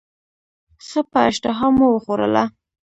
ښه په اشتهامو وخوړله.